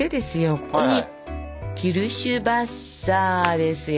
ここにキルシュヴァッサーですよ。